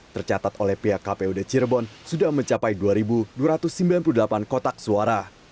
tercatat oleh pihak kpud cirebon sudah mencapai dua dua ratus sembilan puluh delapan kotak suara